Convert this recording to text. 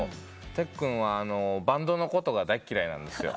てっくんはバンドのことが大嫌いなんですよ。